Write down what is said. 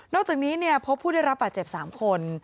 อกจากนี้พบผู้ได้รับบาดเจ็บ๓คน